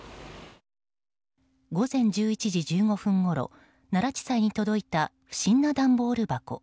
午前１１時１５分ごろ奈良地裁に届いた不審な段ボール箱。